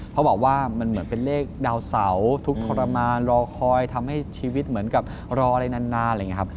เขาบอกว่ามันเหมือนเป็นเลขดาวเสาทุกข์ทรมานรอคอยทำให้ชีวิตเหมือนกับรออะไรนานอะไรอย่างนี้ครับ